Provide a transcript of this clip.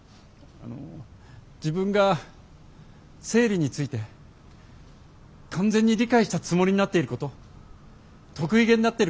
あの自分が生理について完全に理解したつもりになっていること得意げになってることに気付きました。